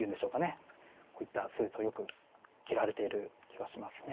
こういったスーツをよく着られている気はしますね。